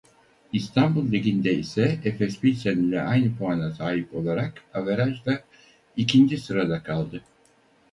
İstanbul Ligi'nde ise Efes Pilsen ile aynı puana sahip olarak averajla ikinci sırada kaldı.